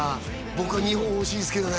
僕は２本ほしいですけどね